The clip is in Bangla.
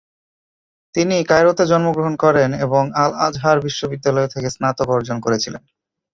তিনি কায়রোতে জন্মগ্রহণ করেন এবং আল-আজহার বিশ্ববিদ্যালয় থেকে স্নাতক অর্জন করেছিলেন।